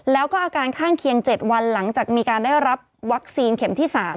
แล้วก็อาการข้างเคียง๗วันหลังจากมีการได้รับวัคซีนเข็มที่๓